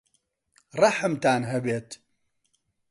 ڕەحمتان هەبێت!